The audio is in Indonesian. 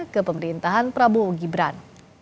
ke pemerintahan prabowo gibran